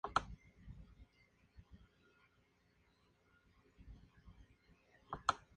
Los historiadores han identificado varias facetas en el intensivo programa constructivo de Jayavarman.